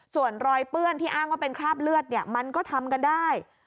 ส่วนรอยเปื้อนที่อ้างว่าเป็นคราบเลือดมันก็ทำกันได้